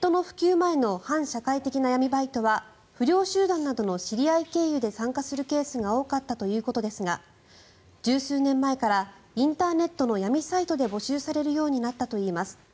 前の反社会的な闇バイトは不良集団などの知り合い経由で参加するケースが多かったということですが１０数年前からインターネットの闇サイトで募集されるようになったといいます。